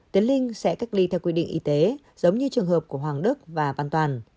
tiến linh sẽ cách ly theo quy định y tế giống như trường hợp của hoàng đức và văn toàn